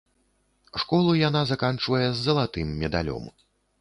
Школу яна заканчвае з залатым медалём.